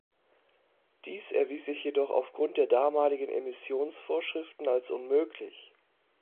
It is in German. Dies erwies sich jedoch aufgrund der damaligen Emissionsvorschriften als unmöglich.